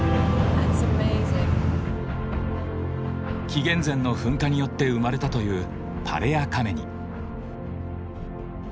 紀元前の噴火によって生まれたというパレア・カメニ。